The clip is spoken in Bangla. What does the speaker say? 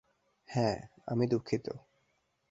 হ্যাঁ, আমি দুঃখিত।